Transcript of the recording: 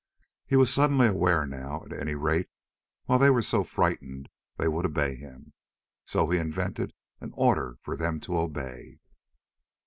He was suddenly aware that now at any rate while they were so frightened they would obey him. So he invented an order for them to obey.